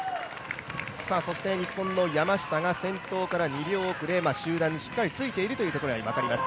そして日本の山下が先頭から２秒後れ、先頭にしっかりついているということが分かります。